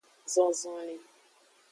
Zon zonlin.